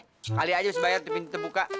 sekali aja harus bayar pintu buka